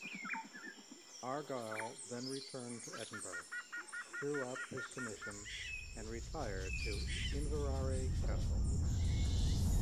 Argyll then returned to Edinburgh, threw up his commission, and retired to Inveraray Castle.